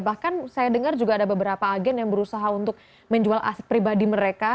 bahkan saya dengar juga ada beberapa agen yang berusaha untuk menjual aset pribadi mereka